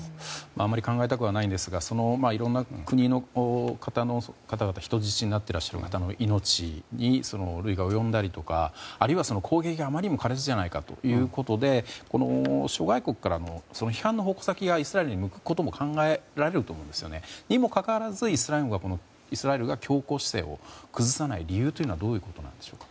あまり考えたくないですがいろんな国の方々人質になっている方々の命に危険が及んだりとかあるいは攻撃が、あまりにも苛烈じゃないかということで諸外国から批判の矛先がイスラエルに向くことも考えられると思うんですがにもかかわらずイスラエルが強硬姿勢を崩さないのはどういうことなんでしょうか。